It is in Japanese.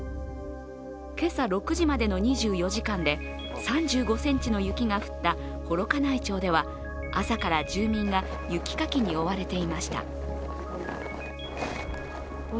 今朝６時までの２４時間で３５ｃｍの雪が降った幌加内町では、朝から住民が雪かきに追われていました。